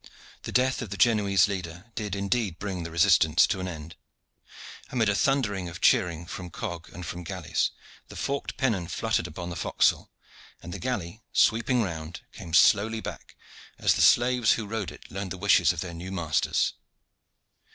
The death of the Genoese leader did indeed bring the resistance to an end. Amid a thunder of cheering from cog and from galleys the forked pennon fluttered upon the forecastle, and the galley, sweeping round, came slowly back, as the slaves who rowed it learned the wishes of their new masters.